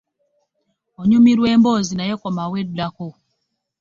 Onyumirwa emboozi naye komawo eddako.